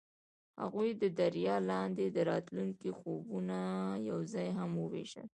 هغوی د دریا لاندې د راتلونکي خوبونه یوځای هم وویشل.